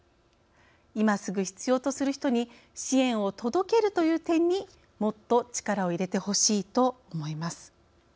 今すぐ、必要とする人に支援を届けるという点にもっと力を入れてほしいと思います。